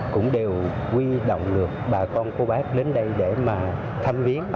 cũng đều quy động lực bà con cô bác đến đây để mà thăm viếng